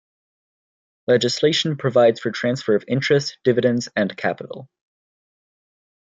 Legislation provides for transfer of interest, dividends, and capital.